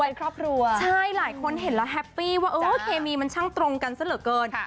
เป็นครอบครัวใช่หลายคนเห็นแล้วแฮปปี้ว่าเออเคมีมันช่างตรงกันซะเหลือเกิน